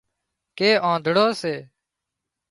ڪي آنڌۯو سي